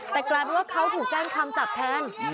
แต่กลายเป็นว่าเขาถูกแจ้งความจับแทน